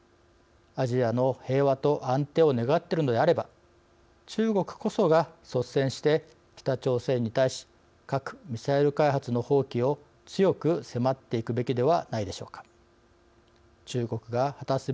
アジアの平和と安定を願っているのであれば中国こそが率先して北朝鮮に対し核・ミサイル開発の放棄を強く迫っていくべきではないでしょうか。